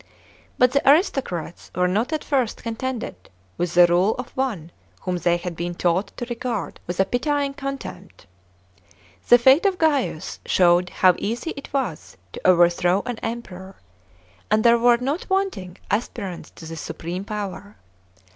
But the aristocrats were not at first contented with the rule of one whom they had been taught to regard with a pitying contempt. The fate of Gaius showed how easy it was to overthrow an Emperor, and there were not want'ng aspirants to the supreme power.